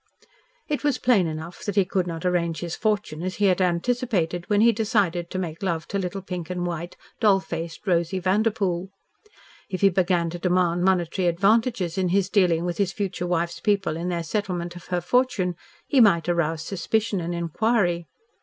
It was plain enough that he could not arrange his fortune as he had anticipated when he decided to begin to make love to little pink and white, doll faced Rosy Vanderpoel. If he began to demand monetary advantages in his dealing with his future wife's people in their settlement of her fortune, he might arouse suspicion and inquiry.